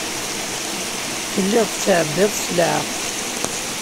Telliḍ tettɛebbiḍ sselɛa.